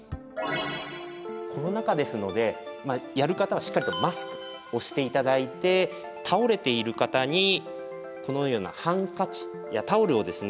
コロナ禍ですのでやる方はしっかりとマスクをして頂いて倒れている方にこのようなハンカチやタオルをですね